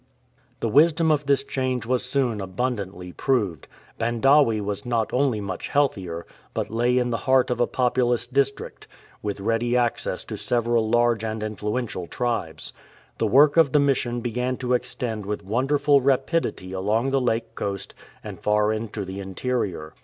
The wisdom of this change was soon abundantly proved. Bandawe was not only much healthier, but lay in the heart of a populous district, with ready access to several large and influential tribes. The work of the Mission began to extend with wonderful rapidity along the lake coast and far into the interior.